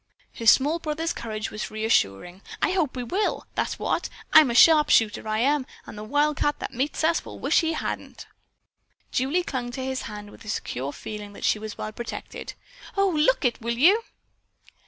Her small brother's courage was reassuring. "I hope we will. That's what! I'm a sharpshooter, I am, and the wildcat that meets us will wish he hadn't." Julie clung to his hand with a secure feeling that she was well protected. "Oh, look it, will you?"